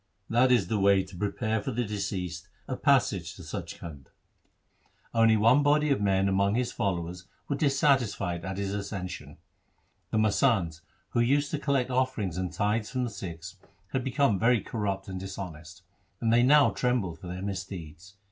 That is the way to prepare for the deceased a passage to Sach Khand.' Only one body of men among his followers were dissatisfied at his accession. The masands, who used to collect offerings and tithes from the Sikhs, had become very corrupt and dishonest, and they now trembled for their misdeeds.